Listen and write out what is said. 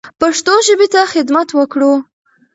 پښتو ژبې ته خدمت وکړو.